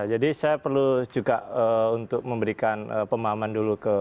jadi saya perlu juga untuk memberikan pemahaman dulu ke